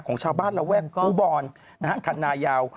ของชาวบ้านระแวกอุบรณ์คันนายาว